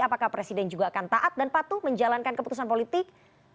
apakah presiden juga akan taat dan patuh menjalankan keputusan politik